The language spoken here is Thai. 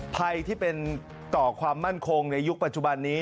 ภัยที่เป็นต่อความมั่นคงในยุคปัจจุบันนี้